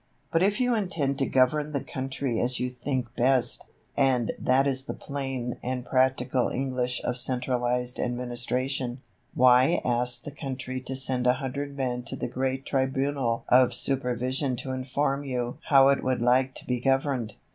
But if you intend to govern the country as you think best and that is the plain and practical English of centralized administration why ask the country to send a hundred men to the great tribunal of supervision to inform you how it would like to be governed?